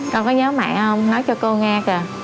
con có nhớ mẹ không nói cho cô nghe kìa